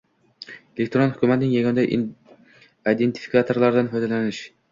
elektron hukumatning yagona identifikatorlaridan foydalanish;